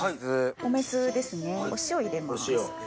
お水ですねお塩入れます。